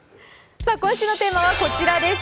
今週のテーマはこちらです。